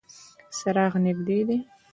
څراغ نږدې و.